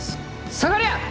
下がりゃ！